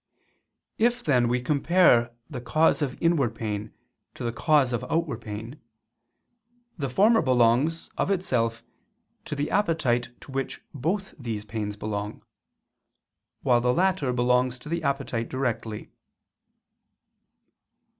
If then we compare the cause of inward pain to the cause of outward pain, the former belongs, of itself, to the appetite to which both these pains belong: while the latter belongs to the appetite directly.